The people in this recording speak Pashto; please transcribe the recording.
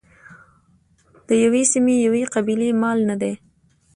د یوې سیمې یوې قبیلې مال نه دی.